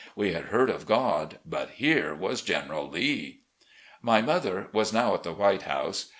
We had heard of God, but here was General Lee !" My mother was now at the "White House."